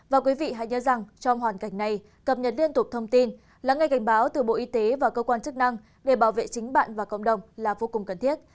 và quý vị hãy nhớ rằng trong hoàn cảnh này cập nhật liên tục thông tin lắng nghe cảnh báo từ bộ y tế và cơ quan chức năng để bảo vệ chính bạn và cộng đồng là vô cùng cần thiết